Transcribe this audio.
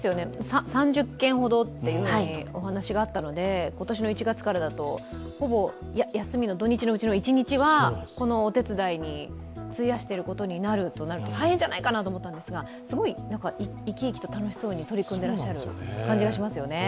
３０件ほどとお話があったので、今年の１月からだとほぼ休みの土日のうちの１日はこのお手伝いに費やしているとなると大変じゃないかなと思ったんですが、すごい生き生きと楽しそうに取り組んでいらっしゃる感じがしますよね。